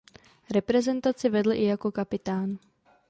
Reprezentaci vedl i jako kapitán.